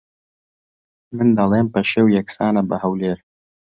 من دەڵێم پەشێو یەکسانە بە ھەولێر